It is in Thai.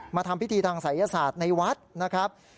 ทำพิธีทางศัยศาสตร์ในวัดนะครับ